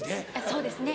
そうですね